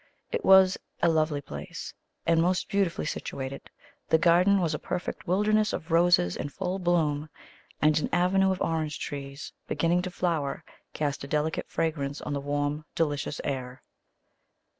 It was a lovely place, and most beautifully situated; the garden was a perfect wilderness of roses in full bloom, and an avenue of orange trees beginning to flower cast a delicate fragrance on the warm delicious air.